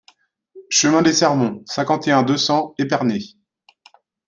Chemin des Semonts, cinquante et un, deux cents Épernay